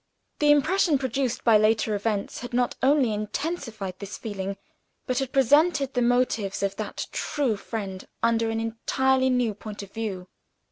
The impression produced by later events had not only intensified this feeling, but had presented the motives of that true friend under an entirely new point of view.